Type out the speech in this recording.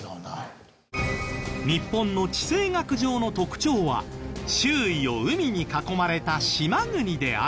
日本の地政学上の特徴は周囲を海に囲まれた島国である事。